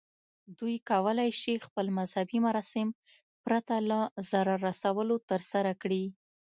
دوی کولی شي خپل مذهبي مراسم پرته له ضرر رسولو ترسره کړي.